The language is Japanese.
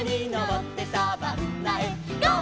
「ゴー！